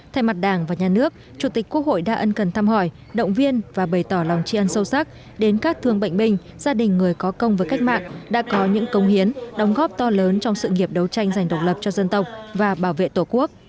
thay mặt đảng và nhà nước chủ tịch quốc hội đã ân cần thăm hỏi động viên và bày tỏ lòng tri ân sâu sắc đến các thương bệnh binh gia đình người có công với cách mạng đã có những công hiến đóng góp to lớn trong sự nghiệp đấu tranh dành độc lập cho dân tộc và bảo vệ tổ quốc